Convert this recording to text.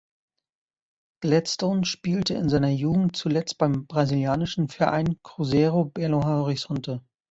Gladstone Spielte in seiner Jugend zuletzt beim brasilianischen Verein Cruzeiro Belo Horizonte.